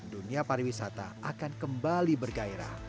dunia pariwisata akan kembali bergairah